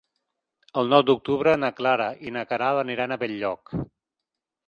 El nou d'octubre na Clara i na Queralt aniran a Benlloc.